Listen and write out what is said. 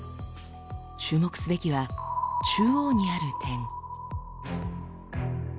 注目すべきは中央にある点。